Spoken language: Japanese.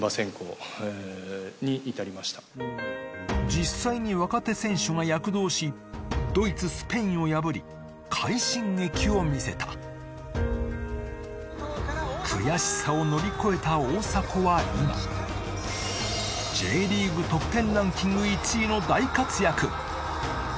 実際に若手選手が躍動しドイツスペインを破り快進撃を見せた悔しさを乗り越えた大迫は今大活躍！